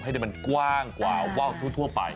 ให้ได้มันกว้างกว่าว่าวทั่วไป